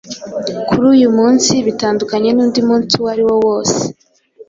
Kuri uyu munsi, bitandukanye n’undi munsi uwo ari wo wose,